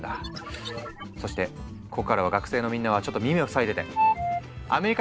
そしてここからは学生のみんなはちょっと耳を塞いでて。